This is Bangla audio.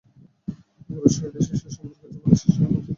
গুরুর সহিত শিষ্যের সম্পর্ক জীবনের শ্রেষ্ঠ সম্পর্ক।